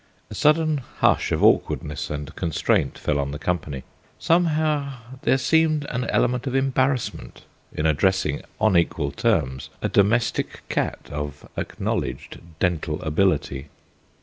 A sudden hush of awkwardness and constraint fell on the company. Somehow there seemed an element of embarrassment in addressing on equal terms a domestic cat of acknowledged dental ability.